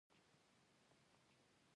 هغوی له ما وغوښتل چې یوه لوڅه ښځه انځور کړم